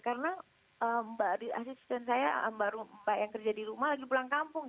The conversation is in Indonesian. karena asisten saya mbak yang kerja di rumah lagi pulang kampung